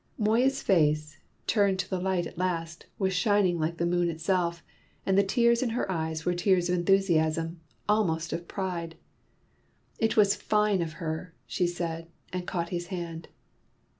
Moya's face, turned to the light at last, was shining like the moon itself; and the tears in her eyes were tears of enthusiasm, almost of pride. "It was fine of her!" she said, and caught his hand.